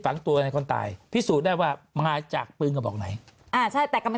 ฝังตัวในคนตายพิสูจน์ได้ว่ามาจากปืนกระบอกไหนอ่าใช่แต่กำลัง